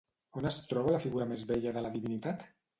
On es troba la figura més vella de la divinitat?